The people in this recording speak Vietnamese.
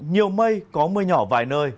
nhiều mây có mưa nhỏ vài nơi